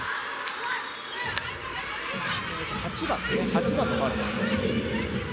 ８番のファウルです。